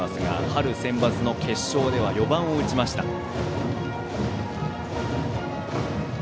春センバツの決勝では４番を打ちました、岡崎。